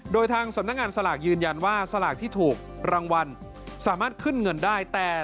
โดยทางสำนักงานสลากยืนยันว่าสลากที่ถูกรางวัลสามารถขึ้นเงินได้